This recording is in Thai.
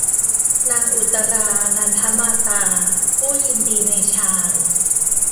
นางอุตตรา นันทมาตา ผู้ยินดีในฌาน